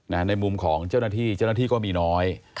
ในมุมของเจ้าหน้าที่เจ้าหน้าที่ก็มีน้อย